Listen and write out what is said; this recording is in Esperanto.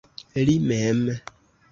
Li mem.